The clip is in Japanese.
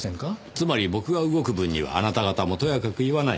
つまり僕が動く分にはあなた方もとやかく言わない？